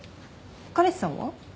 彼氏さんは？